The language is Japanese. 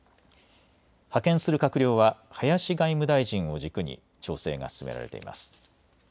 派遣する閣僚は林外務大臣を軸に調整が進められています。